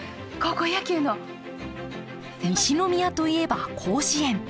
西宮といえば甲子園。